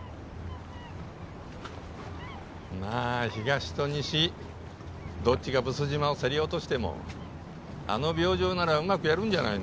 まあ東と西どっちが毒島を競り落としてもあの病状ならうまくやるんじゃないの？